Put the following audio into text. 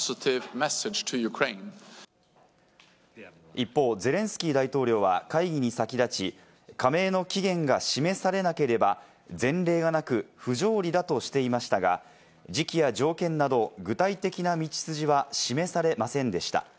一方、ゼレンスキー大統領は会議に先立ち、加盟の期限が示されなければ、前例がなく、不条理だとしていましたが、時期や条件など具体的な道筋は示されませんでした。